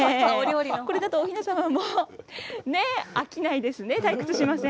これだとおひなさまも飽きないですね、退屈しません。